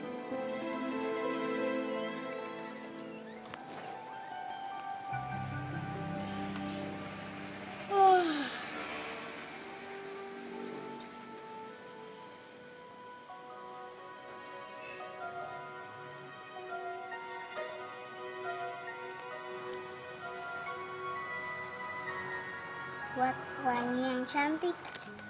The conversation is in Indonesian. hai weapons yang cantik